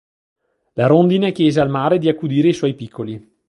La rondine chiese al mare di accudire i suoi piccoli.